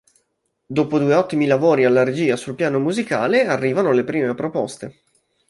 Dopo due ottimi lavori alla regia sul piano musicale arrivano le prime proposte.